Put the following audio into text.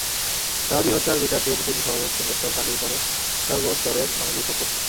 সোহাগী হত্যার বিচার চেয়ে প্রতিদিনই শহরের কেন্দ্রস্থল কান্দিরপাড়ে সর্বস্তরের মানুষ বিক্ষোভ করছে।